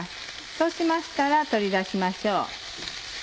そうしましたら取り出しましょう。